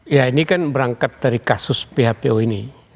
ya ini kan berangkat dari kasus phpu ini